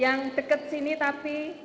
yang deket sini tapi